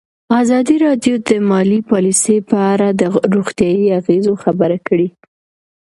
ازادي راډیو د مالي پالیسي په اړه د روغتیایي اغېزو خبره کړې.